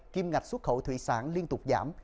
kim ngạch xuất khẩu thủy sản liên tục giảm